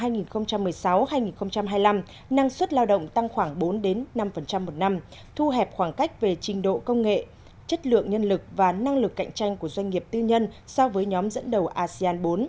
năm hai nghìn một mươi sáu hai nghìn hai mươi năm năng suất lao động tăng khoảng bốn năm một năm thu hẹp khoảng cách về trình độ công nghệ chất lượng nhân lực và năng lực cạnh tranh của doanh nghiệp tư nhân so với nhóm dẫn đầu asean bốn